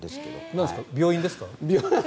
なんですか、病院ですか？